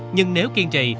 nhưng nếu kiên trì